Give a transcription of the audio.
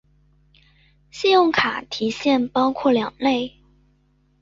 信用卡提现包括两类。